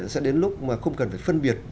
sẽ đến lúc mà không cần phải phân biệt